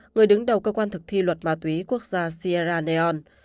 người đứng đầu cơ quan thực thi luật ma túy quốc gia sierra neon